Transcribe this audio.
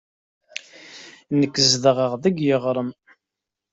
Nekk zedɣeɣ deg yiɣrem.